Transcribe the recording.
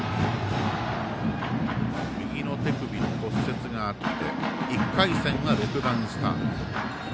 右の手首の骨折があって１回戦は６番スタート。